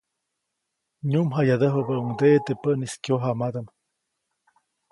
Nyuʼmjayadäjubäʼuŋdeʼe teʼ päʼnis kyojamadaʼm.